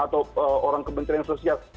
atau orang kebencanaan sosial